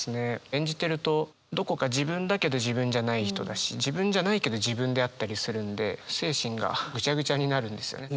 演じてるとどこか自分だけど自分じゃない人だし自分じゃないけど自分であったりするんで精神がぐちゃぐちゃになるんですよね。